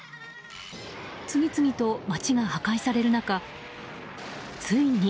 次々と街が破壊される中ついに。